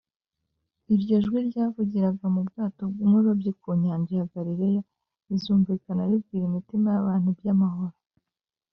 iryo jwi ryavugiraga mu bwato bw’umurobyi ku nyanja ya galileya rizumvikana ribwira imitima y’abantu iby’amahoro